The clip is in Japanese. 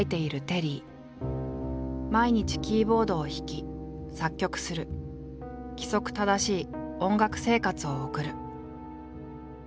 毎日キーボードを弾き作曲する規則正しい音楽生活を送る。